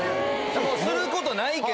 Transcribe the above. もうすることないけど。